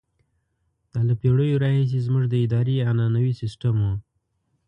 دا له پېړیو راهیسې زموږ د ادارې عنعنوي سیستم وو.